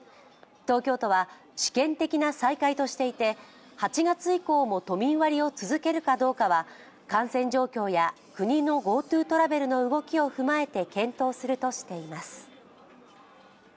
東京都は試験的な再開としていて８月以降も都民割を続けるかどうかは感染状況や国のＧｏＴｏトラベルの動きを踏まえて検討するとしています。